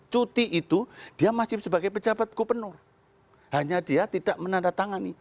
cuti itu dia masih sebagai pejabat gubernur hanya dia tidak menandatangani